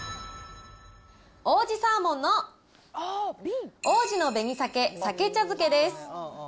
王子サーモンの王子の紅鮭さけ茶漬けです。